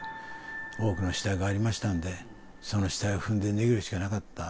多くの死体がありましたんで、その死体を踏んで逃げるしかなかった。